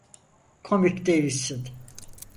Komik değilsin.